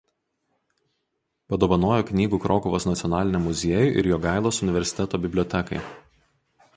Padovanojo knygų Krokuvos nacionaliniam muziejui ir Jogailos universiteto bibliotekai.